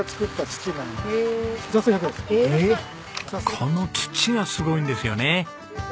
この土がすごいんですよね。